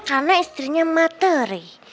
karena istrinya matere